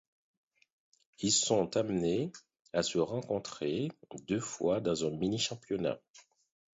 Ils sont amenés à se rencontrer deux fois dans un mini-championnat.